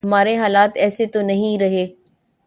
ہمارے حالات ایسے تو نہیں رہے۔